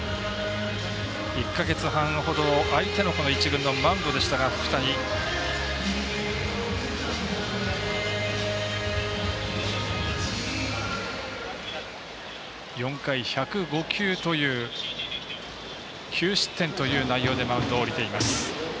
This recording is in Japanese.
１か月半ほど空いての１軍のマウンドでしたが福谷、４回１０５球９失点という内容でマウンドを降りています。